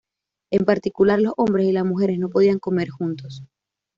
En particular, los hombres y las mujeres no podían comer juntos.